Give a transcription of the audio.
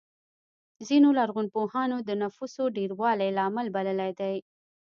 ځینو لرغونپوهانو د نفوسو ډېروالی لامل بللی دی.